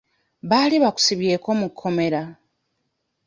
Baali bakusibyeko mu kkomera?